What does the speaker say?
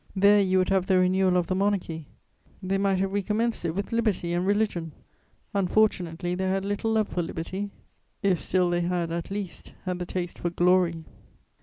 There you would have the renewal of the Monarchy; they might have recommenced it with liberty and religion: unfortunately they had little love for liberty; if still they had, at least, had the taste for glory!